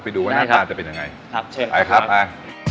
ไปดูว่าหน้าตาจะเป็นยังไงครับเชิญไปครับมา